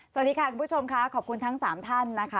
สวัสดีค่ะคุณผู้ชมค่ะขอบคุณทั้ง๓ท่านนะคะ